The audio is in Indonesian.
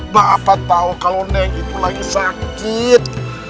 bapak tahu kalau neng itu lagi sakit